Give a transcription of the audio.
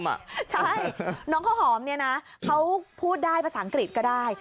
ใช่น้องข้าวหอมเนี่ยนะเขาพูดได้ภาษาอังกฤษก็ได้